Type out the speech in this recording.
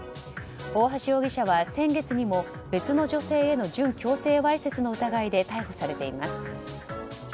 大橋容疑者は先月にも別の女性への準強制わいせつの疑いで逮捕されています。